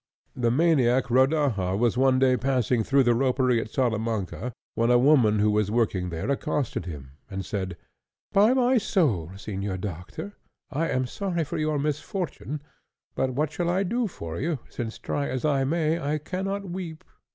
The maniac Bodaja was one day passing through the Ropery at Salamanca, when a woman who was working there accosted him, and said, "By my soul, Señor Doctor, I am sorry for your misfortune, but what shall I do for you, since, try as I may, I cannot weep?"